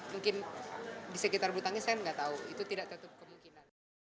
mungkin di sekitar bulu tangkis saya gak tahu itu tidak tetap kemungkinan